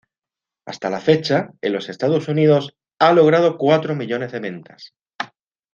Hasta la fecha, en los Estados Unidos ha logrado cuatro millones de ventas.